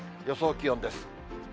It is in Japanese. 予想気温です。